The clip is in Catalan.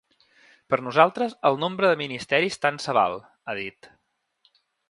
Per nosaltres el nombre de ministeris tant se val, ha dit.